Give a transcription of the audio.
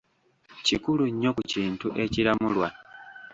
Kikulu nnyo ku kintu ekiramulwa.